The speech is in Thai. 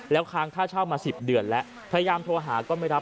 แล้วค้างค่าเช่ามา๑๐เดือนแล้วพยายามโทรหาก็ไม่รับ